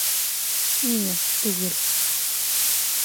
Ниңә «түгел»?